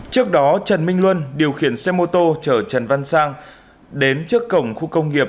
trước đó trần minh luân điều khiển xe mô tô chở trần văn sang đến trước cổng khu công nghiệp